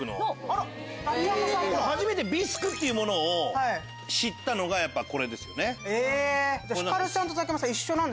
初めてビスクっていうものを知ったのがこれですよね。